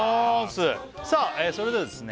さあそれではですね